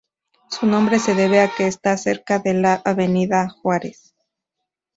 Su nombre se debe a que está cerca de la Avenida Juárez.